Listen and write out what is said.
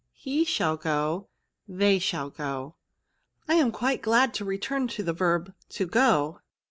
He shall go. They shall go. ," I am quite glad to return to the verb to go."